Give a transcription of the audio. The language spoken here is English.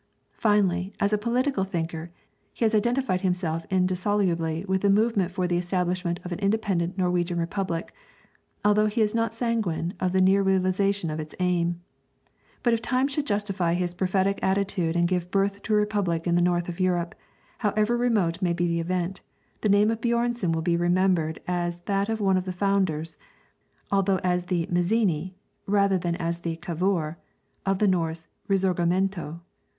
Finally, as a political thinker, he has identified himself indissolubly with the movement for the establishment of an independent Norwegian Republic, although he is not sanguine of the near realization of this aim. But if time should justify his prophetic attitude and give birth to a republic in the north of Europe, however remote may be the event, the name of Björnson will be remembered as that of one of the founders, although as the Mazzini rather than as the Cavour of the Norse Risorgimento.